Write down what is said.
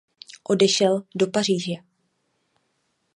Odešel do Paříže.